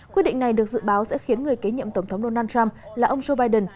quyết định này được dự báo sẽ khiến người kế nhiệm tổng thống donald trump là ông joe biden